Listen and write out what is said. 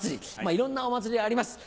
いろんなお祭りがあります。